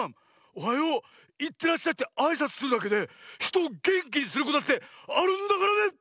「おはよう」「いってらっしゃい」ってあいさつするだけでひとをげんきにすることだってあるんだからね！